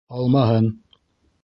Һалмаһын!